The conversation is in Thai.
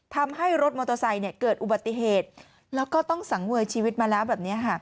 ทำให้รถมอเตอร์ไซค์เกิดอุบัติเหตุแล้วก็ต้องสังเวยชีวิตมาแล้วแบบนี้ค่ะ